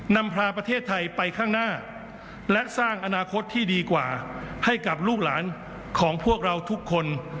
นำพาประเทศไทยไปข้างหน้าและสร้างอนาคตที่ดีกว่าให้กับลูกหลานของพวกเราทุกคน